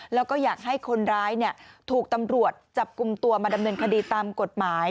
แล้วก็อยากให้คนร้ายถูกตำรวจจับกลุ่มตัวมาดำเนินคดีตามกฎหมาย